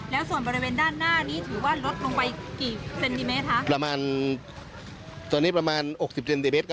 แล้วส่วนบริเวณด้านหน้านี่ถือว่ารดลงไปกี่เซนติเมตรคะ